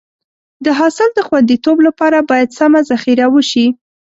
د حاصل د خونديتوب لپاره باید سمه ذخیره وشي.